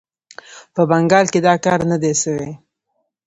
په بنګال کې دا کار نه دی سوی.